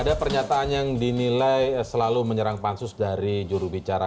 ada pernyataan yang dinilai selalu menyerang pansus dari jurubicara